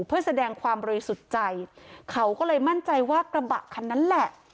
เพื่อแสดงความบริสุทธิ์ใจเขาก็เลยมั่นใจว่ากระบะคันนั้นแหละ